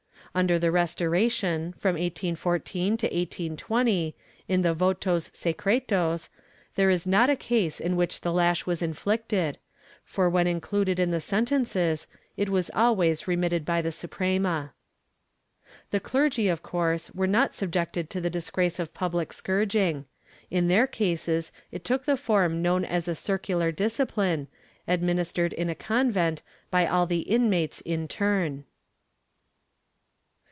Under the Restoration, from 1814 to 1820, in the votos secretos, there is not a case in which the lash was inflicted, for when included in the sentences, it was always remitted by the Suprema.^ The clergy, of course, were not subjected to the disgrace of public scourging. In their cases it took the form known as a circular discipline, administered in a convent by all the inmates in turn.